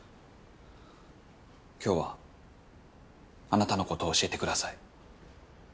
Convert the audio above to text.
今日はあなたのことを教えてください。